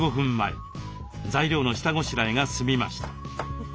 材料の下ごしらえが済みました。